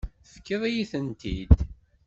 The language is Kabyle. Tefkiḍ-iyi-tent-id.